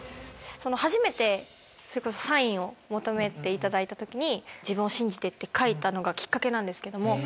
初めてサインを求めていただいた時に「自分を信じて」って書いたのがきっかけなんですけども。